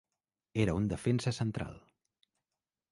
Era un defensa central.